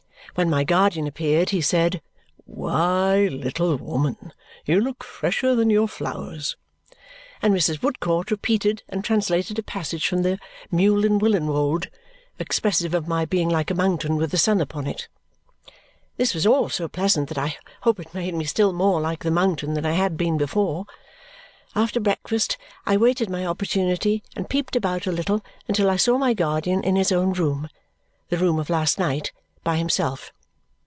When my guardian appeared he said, "Why, little woman, you look fresher than your flowers!" And Mrs. Woodcourt repeated and translated a passage from the Mewlinnwillinwodd expressive of my being like a mountain with the sun upon it. This was all so pleasant that I hope it made me still more like the mountain than I had been before. After breakfast I waited my opportunity and peeped about a little until I saw my guardian in his own room the room of last night by himself.